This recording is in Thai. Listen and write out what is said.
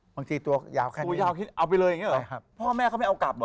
บางทีตัวยาวแค่นี้เอาไปเลยอย่างนี้เหรอพ่อแม่พี่ไม่เอากลับเหรอ